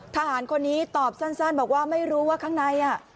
ทหารคนนี้ตอบสั้นบอกว่าไม่รู้ว่าข้างใน